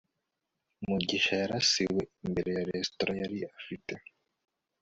mugisha yarasiwe imbere ya resitora yari afite